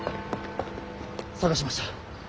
捜しました。